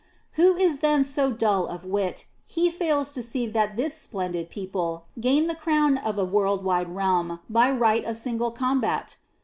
6. Who is then so dull of wit he fails to see that this splendid people gained the crown of a world wide realm by right of single combat?